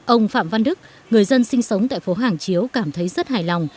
ông phạm văn đức người dân sinh sống tại phố hàng chiếu cảm thấy rất hài lòng